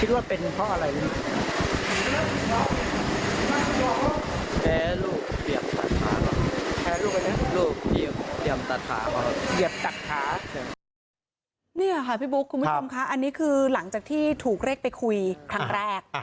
อันนี้คือหลังจากที่ถูกเรียกไปคุยครั้งแรก